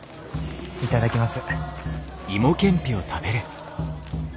頂きます。